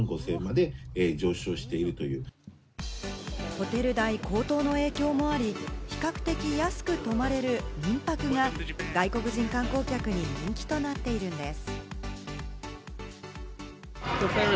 ホテル代高騰の影響もあり、比較的安く泊まれる民泊が外国人観光客に人気となっているんです。